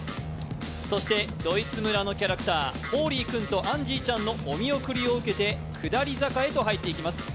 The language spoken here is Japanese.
そしてドイツ村のキャラクター、ホーリーくんとアンジーちゃんのお見送りを受けて、下り坂へと入っていきます。